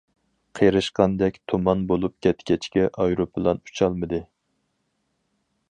قېرىشقاندەك، تۇمان بولۇپ كەتكەچكە ئايروپىلان ئۇچالمىدى.